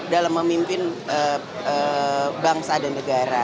dalam memimpin bangsa dan negara